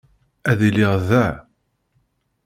Ad iliɣ da.